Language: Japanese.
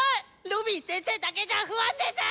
ロビン先生だけじゃあ不安です！